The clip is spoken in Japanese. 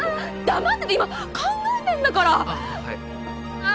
黙ってて今考えてんだからああ